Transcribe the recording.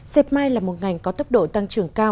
xếp mai là một ngành có tốc độ tăng trưởng cao